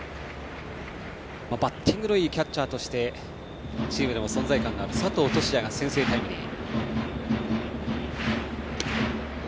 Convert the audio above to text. バッティングのいいキャッチャーとしてチームでも存在感のある佐藤都志也が先制タイムリー。